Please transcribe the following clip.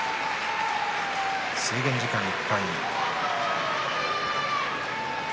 制限時間いっぱい。